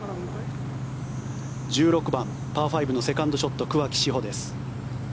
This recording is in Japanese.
１６番、パー５のセカンドショット桑木志帆です。